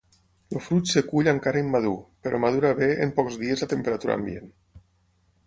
El fruit es cull encara immadur, però madura bé en pocs dies a temperatura ambient.